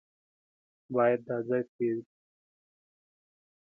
بايد دا ځای پرېږدو.